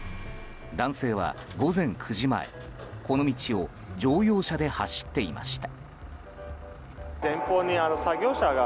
男性は午前９時前、この道を乗用車で走っていました。